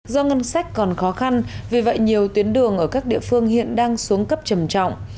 do ngân sách còn khó khăn vì vậy nhiều tuyến đường ở các địa phương hiện đang xuống cấp trầm trọng